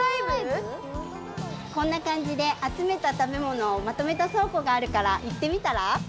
こんなかんじであつめた食べ物をまとめたそうこがあるからいってみたら？